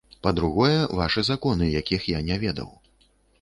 Па-другое, вашы законы, якіх я не ведаў.